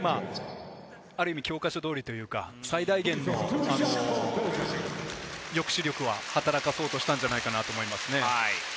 ある意味、教科書通りというか最大限の抑止力は働かせようとしたんじゃないですかね。